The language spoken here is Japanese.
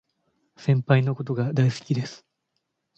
先輩のことが大好きです